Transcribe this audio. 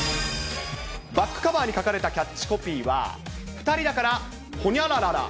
バックカバーに書かれたキャッチコピーは、２人だからほにゃららら。